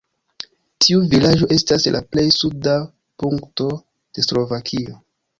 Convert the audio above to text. Tiu vilaĝo estas la plej suda punkto de Slovakio.